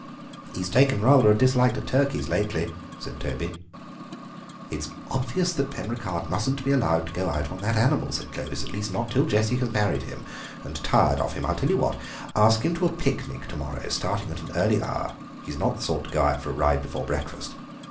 "He's taken rather a dislike to turkeys lately," said Toby. "It's obvious that Penricarde mustn't be allowed to go out on that animal," said Clovis, "at least not till Jessie has married him, and tired of him. I tell you what: ask him to a picnic to morrow, starting at an early hour; he's not the sort to go out for a ride before breakfast.